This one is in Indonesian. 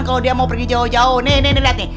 kalau dia mau pergi jauh jauh nih nih nih liat nih